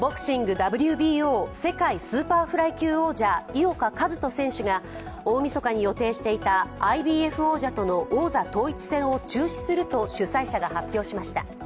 ＷＢＯ世界スーパーフライ級王者、井岡一翔選手が大みそかに予定していたＩＢＦ王者との王座統一戦を中止すると主催者が発表しました。